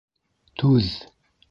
Түҙ!